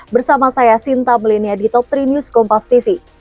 bersama saya sinta milenia di top tiga news kompas tv